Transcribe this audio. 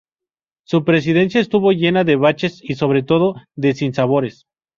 Su presidencia estuvo llena de baches y sobre todo, de sinsabores.